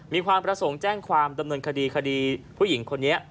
มีความประสงค์แจ้งความดำเนินคดีคดีผู้หญิงคนนี้